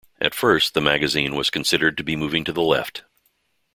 At first, the magazine was considered to be moving to the Left.